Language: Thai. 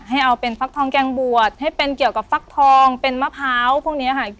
ให้เอาเป็นฟักทองแกงบวชให้เป็นเกี่ยวกับฟักทองเป็นมะพร้าวพวกนี้ค่ะ